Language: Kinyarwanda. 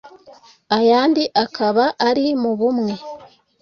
ayandi akaba ari mu bumwe.